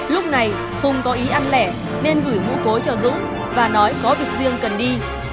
lúc này hùng có ý ăn lẻ nên gửi mũ cối cho dũng và nói có việc riêng cần đi